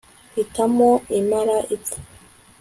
hitamo imara ipfa